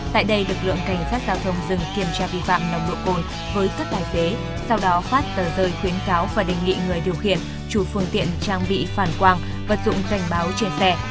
tại đây lực lượng cảnh sát giao thông dừng kiểm tra vi phạm nồng độ cồn với các tài xế sau đó phát tờ rơi khuyến cáo và đề nghị người điều khiển chủ phương tiện trang bị phản quang vật dụng cảnh báo trên xe